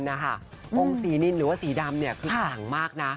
องค์สีนินหรือว่าสีดำคือขลังมากนะ